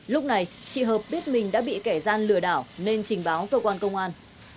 lúc này chị hợp biết mình đã bị kẻ gian lừa đảo nên trình báo cơ quan công an